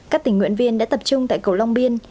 các tình nguyện viên đã tập trung tại cầu long biên